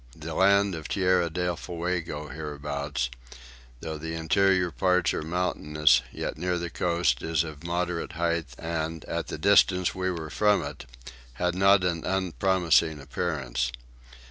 The land of Tierra del Fuego hereabouts, though the interior parts are mountainous, yet near the coast is of a moderate height and, at the distance we were from it, had not an unpromising appearance.